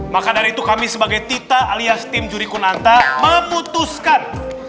maka dari itu kami sebagai tita alias tim juri kunanta memutuskan